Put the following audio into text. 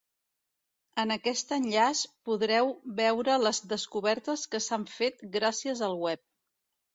En aquest enllaç podreu veure les descobertes que s'han fet gràcies al web.